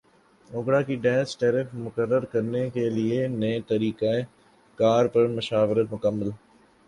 اوگرا کی gas tariff مقرر کرنے کیلئے نئے طریقہ کار پر مشاورت مکمل